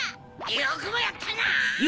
よくもやったな！